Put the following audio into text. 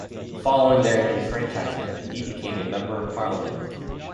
Following their enfranchisement, he became a Member of Parliament.